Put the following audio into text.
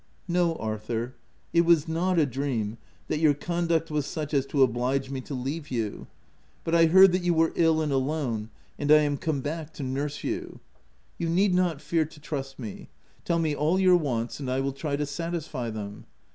" No Arthur, it was not a dream, that your conduct was such as to oblige me to leave you ; OF WILDFELL HALL. 2C1 but I heard that you were ill and alone, and I am come back to nurse you. You need not fear to trust me : tell me all your wants, and I will try to satisfy them.